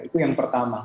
itu yang pertama